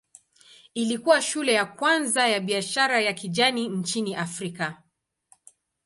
Ilikuwa shule ya kwanza ya biashara ya kijani nchini Afrika.